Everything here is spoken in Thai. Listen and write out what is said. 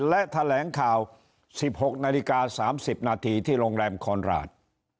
และแถลงข่าว๑๖นาฬิกา๓๐นาทีที่โรงแรมคอนราช